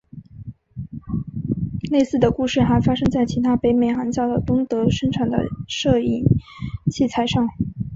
类似的故事还发生在其他北美行销的东德生产的摄影器材上。